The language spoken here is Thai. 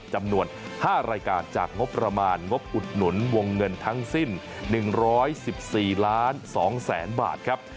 จำนวน๕รายการจากงบประมาณงบอุดหนุนวงเงินทั้งสิ้น๑๑๔ล้าน๒แสนบาทครับ